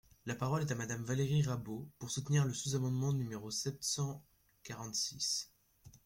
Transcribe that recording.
La parole est à Madame Valérie Rabault, pour soutenir le sous-amendement numéro sept cent quarante-six.